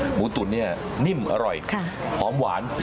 หมูตุ๋นเนี่ยนิ่มอร่อยหอมหวาน